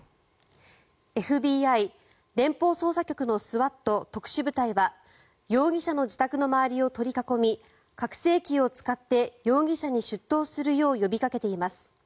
ＦＢＩ・連邦捜査局のＳＷＡＴ・特殊部隊は容疑者の自宅の周りを取り囲み拡声器を使って容疑者に出頭するよう呼びかけています。